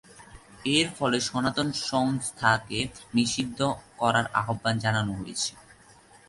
এর ফলে সনাতন সংস্থাকে নিষিদ্ধ করার আহ্বান জানানো হয়েছে।